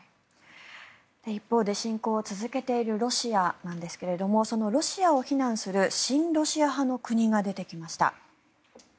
一方で侵攻を続けているロシアなんですけどもそのロシアを非難する親ロシア派の国が出てきました。